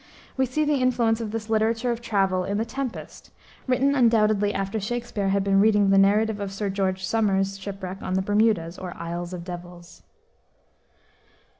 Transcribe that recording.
We see the influence of this literature of travel in the Tempest, written undoubtedly after Shakspere had been reading the narrative of Sir George Somers's shipwreck on the Bermudas or "Isles of Devils."